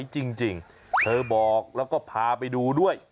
จริงเธอบอกแล้วก็พาไปดูด้วย